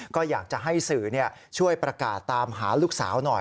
ก็อยากจะให้สื่อช่วยประกาศตามหาลูกสาวหน่อย